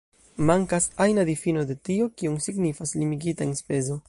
Mankas ajna difino de tio, kion signifas limigita enspezo.